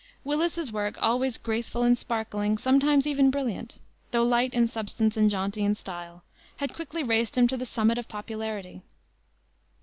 Willis's work, always graceful and sparkling, sometimes even brilliant, though light in substance and jaunty in style, had quickly raised him to the summit of popularity.